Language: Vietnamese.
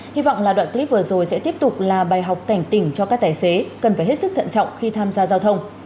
hy vọng là đoạn clip vừa rồi sẽ tiếp tục là bài học cảnh tỉnh cho các tài xế cần phải hết sức thận trọng khi tham gia giao thông